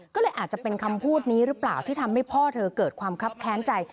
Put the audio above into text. ก็เลยอาจจะเป็นคำพูดนี้หรือเปล่าที่ทำให้พ่อเธอเกิดความคับแค้นใจ